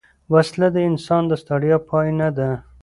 وسله د انسان د ستړیا پای نه ده